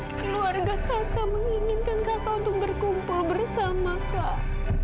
keluarga kakak menginginkan kakak untuk berkumpul bersama kak